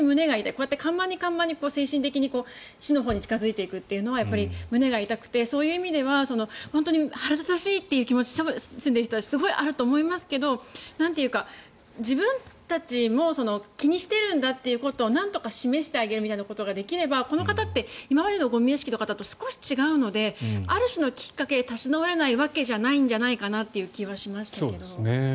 こうやって緩慢に緩慢に精神的な死の方向に近付くって胸が痛くて、そういう意味では本当に腹立たしいという気持ち住んでいる人たちはすごいあると思いますが自分たちも気にしてるんだということをなんとか示してあげることができればこの方って今までのゴミ屋敷の方と少し違うのである種のきっかけで立ち直れないわけじゃないなという気がしますけど。